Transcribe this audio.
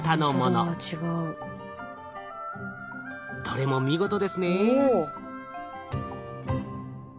どれも見事ですねぇ。